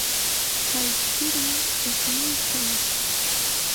Kay qirum ismuykan.